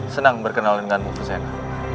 senang berkenalan dengan fusena